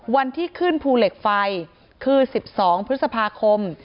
วันที่ขึ้นภูเหล็กไฟคือ๑๒พฤษภาคม